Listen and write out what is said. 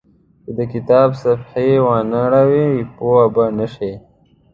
که د کتاب صفحې وانه ړوئ پوه به نه شئ.